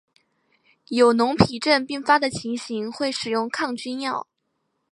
有脓皮症并发的情形会使用抗菌药。